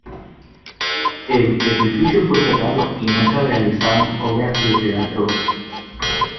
El edificio fue cerrado y no se realizaron obras de teatro.